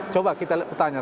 coba kita lihat petanya